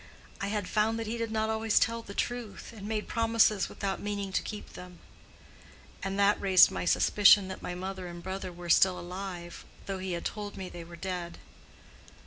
I had found that he did not always tell the truth, and made promises without meaning to keep them; and that raised my suspicion that my mother and brother were still alive though he had told me they were dead.